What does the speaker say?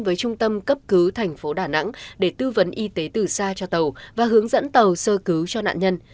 với trung tâm cấp cứu thành phố đà nẵng để tư vấn y tế từ xa cho tàu và hướng dẫn tàu sơ cứu cho nạn nhân